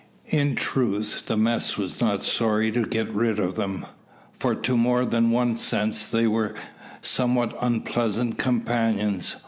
In truth the mess were not sorry to get rid of them, for to more than one sense they were somewhat unpleasant companions.